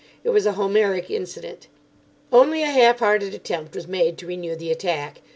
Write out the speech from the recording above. It was a Homeric incident. Only a half hearted attempt was made to renew the attack.